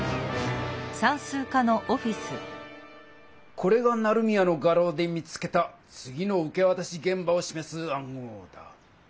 これが成宮の画廊で見つけた次の受けわたしげん場をしめす暗号だ。